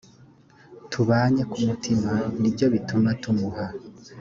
tubanye ku mutima ni byo bituma tumuha